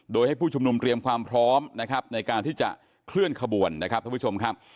โดยให้ผู้ชุมนุมเตรียมความพร้อมนะครับในการที่จะเคลื่อนขบวนนะครับท่านผู้ชมครับ